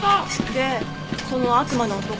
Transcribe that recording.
でその悪魔の男